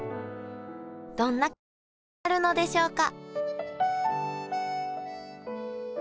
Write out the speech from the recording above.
どんな工夫があるのでしょうか？